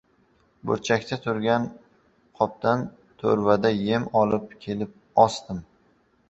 Burchakda turgan qopdan to‘rvada yem olib kelib osdim.